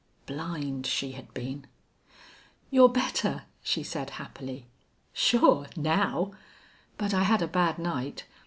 Blind she had been. "You're better," she said, happily. "Sure now. But I had a bad night.